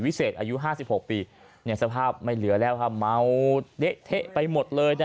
วิเศษอายุห้าสิบหกปีเนี่ยสภาพไม่เหลือแล้วค่ะเมาเทะไปหมดเลยนะ